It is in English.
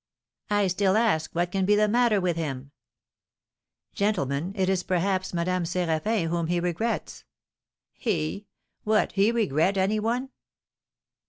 "I still ask what can be the matter with him?" "Gentlemen, it is perhaps Madame Séraphin whom he regrets." "He? What, he regret any one?"